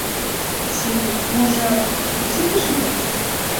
Ці, можа, усіх ажывіць?